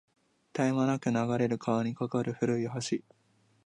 絶え間なく流れる川に架かる古い橋